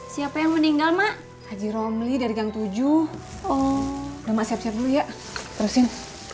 siapa yang meninggal mak haji romli dari gang tujuh oh rumah siap siap dulu ya terusin